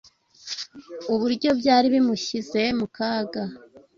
uburyo byari bimushyize mu kaga